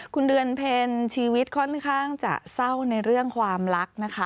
คุณเดือนเพลชีวิตค่อนข้างจะเศร้าในเรื่องความรักนะคะ